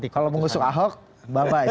kalau mengusung ahok bye bye